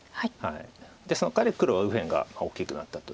そのかわり黒は右辺が大きくなったという。